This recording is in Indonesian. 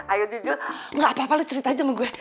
ayo jujur gak apa apa lo cerita aja sama gue